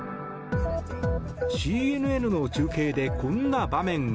ＣＮＮの中継で、こんな場面が。